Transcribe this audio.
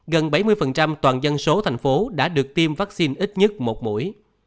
gần bảy mươi toàn dân số thành phố đã được tiêm vaccine ít nhất một mũi